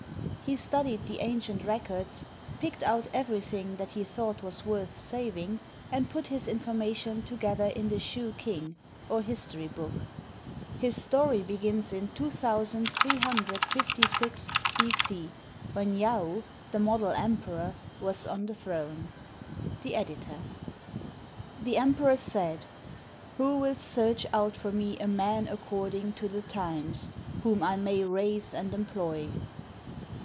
He studied the ancient records, picked out everything that he thought was worth saving, and put his information together in the Shoo King, or history hook. His story begins in 2356 B.C., when Yaou, the model emperor, was on the throne. The Editor.] The emperor said, "Who will search out for me a man according to the times, whom I may raise and employ?"